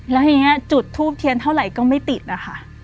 แล้วทีนี้จุดทูบเทียนเท่าไหร่ก็ไม่ติดนะคะ